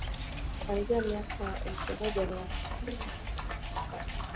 kuanzia miaka ya mwaka elfu moja mia nane tisini na saba